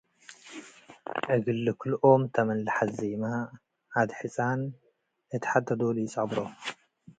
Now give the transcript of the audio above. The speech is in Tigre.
እግል ልክልኦም ተ ምን ለሐዜመ፡ ዐድ ሕጻን እት ሐቴ ዶል ኢጸብሮ ።